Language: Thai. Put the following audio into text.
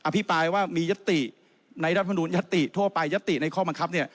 พิปรายว่ามียติในรัฐมนุนยัตติทั่วไปยัตติในข้อบังคับเนี่ย